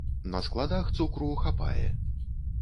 На складах цукру хапае.